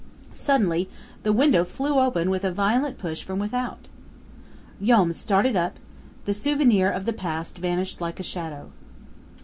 Suddenly the window flew open with a violent push from without. Joam started up; the souvenirs of the past vanished like a shadow.